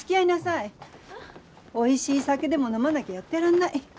おいしい酒でも飲まなきゃやってらんない。